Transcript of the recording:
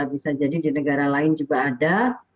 bisa jadi di negara lain juga ada